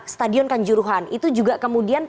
stadion kanjuruhan itu juga kemudian